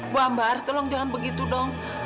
bu ambar tolong jangan begitu dong